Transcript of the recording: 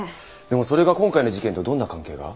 でもそれが今回の事件とどんな関係が？